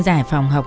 giải phòng học